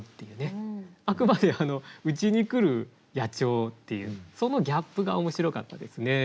あくまでうちに来る野鳥っていうそのギャップが面白かったですね。